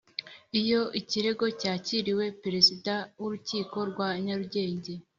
Iyo ikirego cyakiriwe Perezida w Urukiko rwa nyarugenge